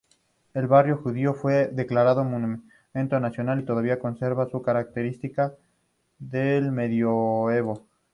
El Barrio Judío fue declarado monumento nacional y todavía conserva sus características del medioevo.